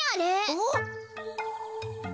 おっ？